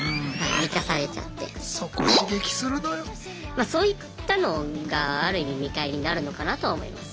まそういったのがある意味見返りになるのかなと思います。